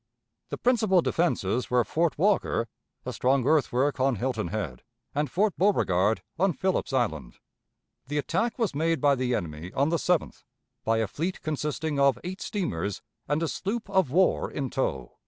The principal defenses were Fort Walker, a strong earthwork on Hilton Head, and Fort Beauregard on Philip's Island. The attack was made by the enemy on the 7th, by a fleet consisting of eight steamers and a sloop of war in tow.